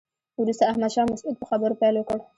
وروسته احمد شاه مسعود په خبرو پیل وکړ.